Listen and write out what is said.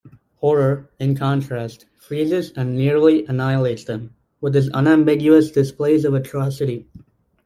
Horror, in contrast, "freezes and nearly annihilates them" with its unambiguous displays of atrocity.